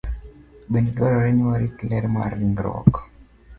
Bende dwarore ni warit ler mar ringruok.